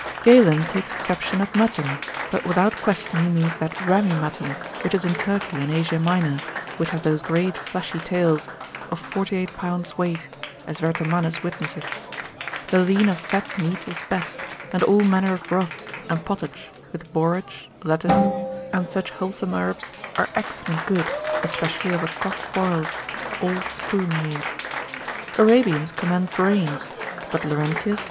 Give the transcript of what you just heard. Galen takes exception at mutton, but without question he means that rammy mutton, which is in Turkey and Asia Minor, which have those great fleshy tails, of forty eight pounds weight, as Vertomannus witnesseth, navig. lib. 2. cap. 5. The lean of fat meat is best, and all manner of broths, and pottage, with borage, lettuce, and such wholesome herbs are excellent good, especially of a cock boiled; all spoon meat. Arabians commend brains, but Laurentius, c.